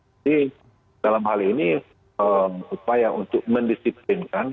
jadi dalam hal ini upaya untuk mendisiplin kan